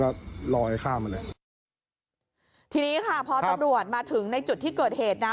ก็ลอยข้ามมาเลยทีนี้ค่ะพอตำรวจมาถึงในจุดที่เกิดเหตุนะ